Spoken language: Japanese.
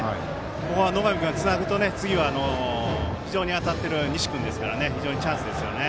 ここは野上君がつなぐと次は非常に当たっている西君ですから非常にチャンスですよね。